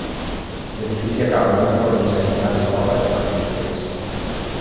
L'edifici acaba amb una cornisa i barana d'obra amb merlets.